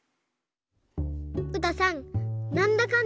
うたさんなんだかん